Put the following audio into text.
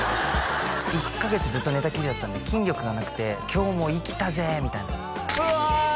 １カ月ずっと寝たきりだったんで筋力がなくて「今日も生きたぜ」みたいなうわ